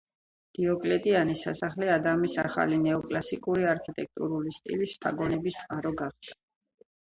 დიოკლეტიანეს სასახლე ადამის ახალი, ნეოკლასიკური არქიტექტურული სტილის შთაგონების წყარო გახდა.